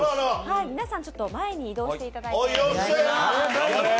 皆さん、前に移動していただいて。